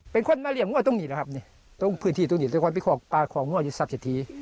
เป็นคนมาเรียนวัวตรงนี้แหละครับตรงพื้นที่ตรงนี้ตรงที่พี่ขอบปลาของวัวอยู่ทรัพย์เฉียดที